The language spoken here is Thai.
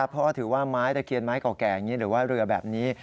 เพราะถือว่าไม้ตะเคียนไม้เก่าแก่อย่างนี้หรือว่าเรือแบบนี้